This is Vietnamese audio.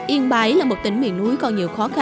yên bái là một tỉnh miền núi còn nhiều khó khăn